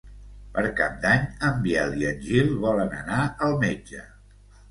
Per Cap d'Any en Biel i en Gil volen anar al metge.